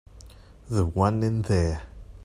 The one in there.